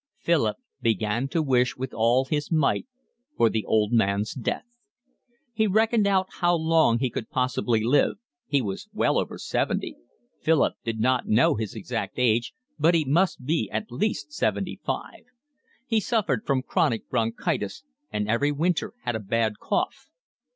Philip began to wish with all his might for the old man's death. He reckoned out how long he could possibly live: he was well over seventy, Philip did not know his exact age, but he must be at least seventy five; he suffered from chronic bronchitis and every winter had a bad cough.